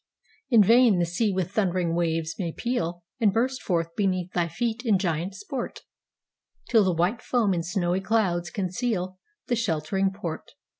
In vain the sea with thundering waves may pealAnd burst beneath thy feet in giant sport, Till the white foam in snowy clouds concealThe sheltering port.